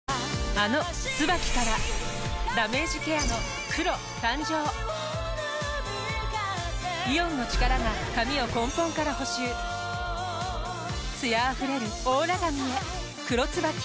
あの「ＴＳＵＢＡＫＩ」からダメージケアの黒誕生イオンの力が髪を根本から補修艶あふれるオーラ髪へ「黒ＴＳＵＢＡＫＩ」